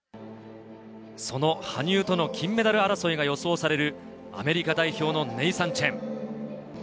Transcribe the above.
その羽生との金メダル争いが予想されるアメリカ代表のネイサン・チェン。